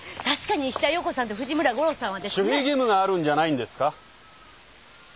確かに石田洋子さんと藤村吾郎さんはですね。守秘義務があるんじゃないんですか！